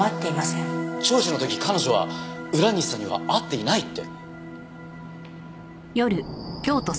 聴取の時彼女は浦西さんには会っていないって。